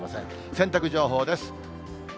洗濯情報です。